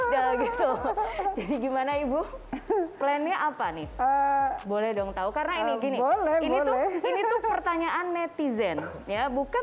jadi gimana ibu plannya apa nih boleh dong tahu karena ini gini ini pertanyaan netizen ya bukan